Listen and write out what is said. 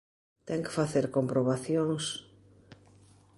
Ten que facer comprobacións…